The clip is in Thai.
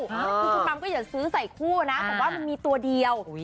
คือคุณมัมก็อย่าซื้อใส่คู่นะแต่ว่ามันมีตัวเดียว